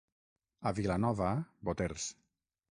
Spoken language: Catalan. A Vilanova, boters.